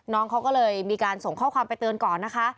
น้องเขาก็เลยมีการส่งข้อความไปเตือนก่อนนะคะ